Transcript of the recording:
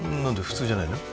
普通じゃないの？